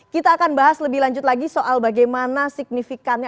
kita akan bahas lebih lanjut lagi soal bagaimana signifikannya